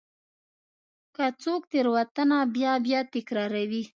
که څوک تېروتنه بیا بیا تکراروي.